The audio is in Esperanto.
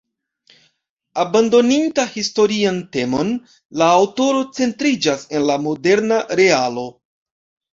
Abandoninta historian temon, la aŭtoro centriĝas en la moderna realo.